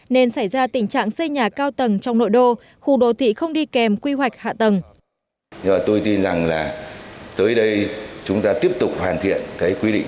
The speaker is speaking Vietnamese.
nên xảy ra tình trạng xây nhà cao tầng trong nội đô khu đô thị không đi kèm quy hoạch hạ tầng